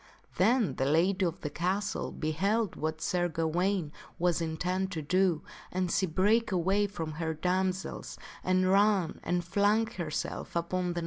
Then the lady of the castle beheld what Sir Gawaine was intent to do, and she brake away from her damsels and ran and flung herself upon the.